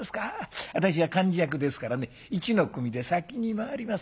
私が幹事役ですからね一の組で先に回ります。